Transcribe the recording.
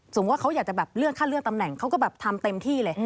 สมมุติว่าเขาอยากจะแบบเลือกค่าเลือกตำแหน่งเขาก็แบบทำเต็มที่เลย